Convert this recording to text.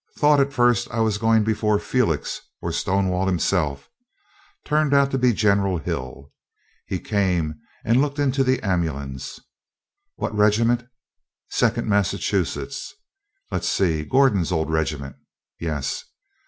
Thought at first I was going before Felix or Stonewall himself; turned out to be General Hill. He came and looked into the ambulance. "What regiment?" "Second Massachusetts." "Let's see, Gordon's old regiment?" "Yes."